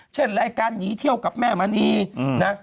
เช่นรายการหนีเที่ยวกับแม่มณีนะ